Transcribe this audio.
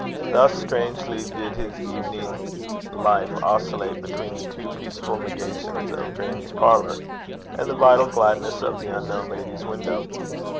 Thus strangely did his evening life oscillate between the two peaceful negations of grannie's parlour and the vital gladness of the unknown lady's window.